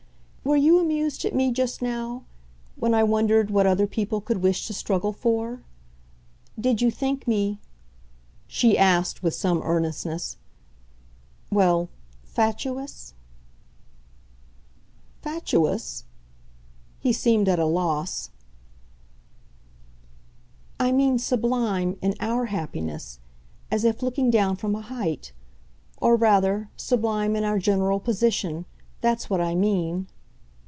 "Were you amused at me just now when I wondered what other people could wish to struggle for? Did you think me," she asked with some earnestness "well, fatuous?" "'Fatuous'?" he seemed at a loss. "I mean sublime in OUR happiness as if looking down from a height. Or, rather, sublime in our general position that's what I mean."